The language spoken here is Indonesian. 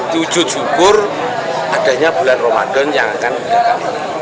tujuh cukur adanya bulan ramadhan yang akan mendatangkan